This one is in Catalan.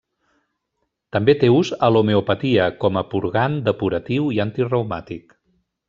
També té ús a l'homeopatia com a purgant, depuratiu i antireumàtic.